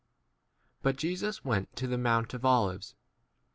but Jesus went to the mount of Olives.